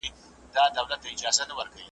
زېږوې که د دې خلکو په څېر بل خر ,